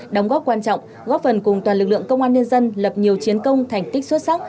đóng góp quan trọng góp phần cùng toàn lực lượng công an nhân dân lập nhiều chiến công thành tích xuất sắc